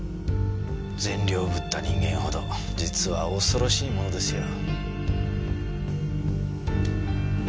善良ぶった人間ほど実は恐ろしいものですよ。